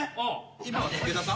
今武田さん？